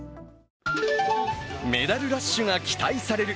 メダルラッシュが期待される